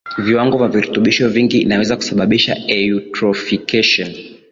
Viwango vya virutubisho vingi inaweza kusababisha Eutrophication